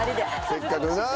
せっかくな。